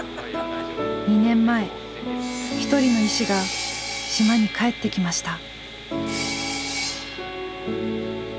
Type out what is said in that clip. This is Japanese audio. ２年前一人の医師が島に帰ってきました。